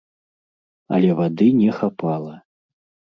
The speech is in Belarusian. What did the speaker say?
Але вады не хапала.